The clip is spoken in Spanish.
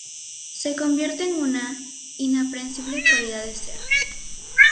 se convierte en una inaprensible cualidad del ser